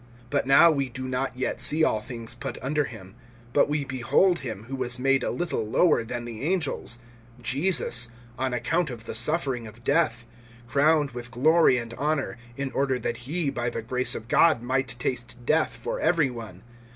But now we do not yet see all things put under him. (9)But we behold him, who was made a little lower than the angels, Jesus, on account of the suffering of death, crowned with glory and honor, in order that he by the grace of God might taste death for every one.